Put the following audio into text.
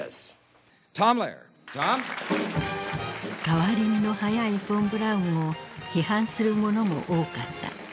変わり身の早いフォン・ブラウンを批判する者も多かった。